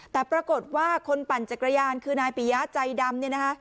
แต่ปรากฏว่าคนปั่นจักรยานคือนายปิยาใจดำ